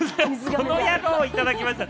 このヤロウ！をいただきました。